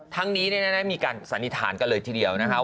ทั้งนี้มีการสันนิษฐานกันเลยทีเดียวนะครับ